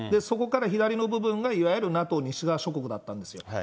そこから左の部分がいわゆるＮＡＴＯ、西側諸国だったんですよ。